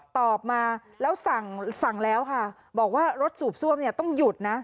ตอบมาแล้วสั่งแล้วค่ะบอกว่ารถสูบซ่วมเนี่ยต้องหยุดนะ